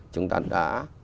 chúng ta đã